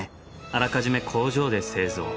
あらかじめ工場で製造。